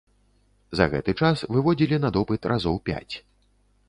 За гэты час выводзілі на допыт разоў пяць.